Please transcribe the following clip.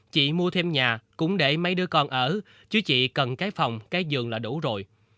chị mua thêm nhà cũng để mấy đứa con ở chứ chị cần cái phòng cái dường là đủ rồi